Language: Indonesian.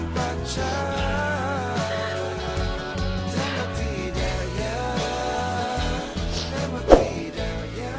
gue ketuanya bentar ya